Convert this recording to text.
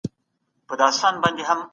فردي حقوق بايد وپيژندل سي.